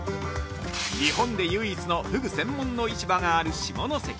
◆日本で唯一のふぐ専門の市場がある下関。